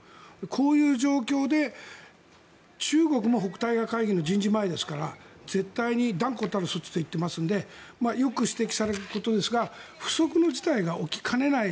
こういう状況で中国も北載河会議の人事前ですから絶対に断固たる措置って言っていますのでよく指摘されることですが不測の事態が起きかねない。